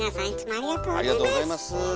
ありがとうございます。